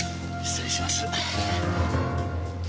失礼します。